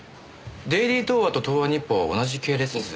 デイリー東和と東和日報は同じ系列です。